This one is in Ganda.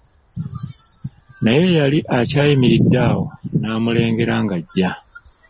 Naye yali akyayimiridde awo, n'amulengera ng'ajja.